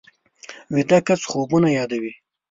ویده کس خوبونه یادوي